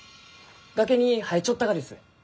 崖に生えちょったがです。